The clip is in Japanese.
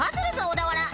小田原］